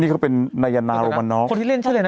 นี่ก็เป็นนายนาโรมนอฟ